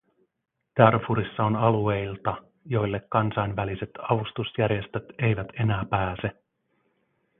Darfurissa on alueilta, joille kansainväliset avustusjärjestöt eivät enää pääse.